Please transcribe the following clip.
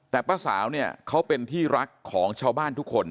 แต่ป้าสาวเนี่ยเขาเป็นที่รักของชาวบ้านทุกคน